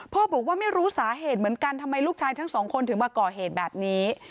บอกว่าไม่รู้สาเหตุเหมือนกันทำไมลูกชายทั้งสองคนถึงมาก่อเหตุแบบนี้